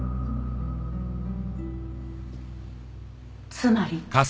つまり。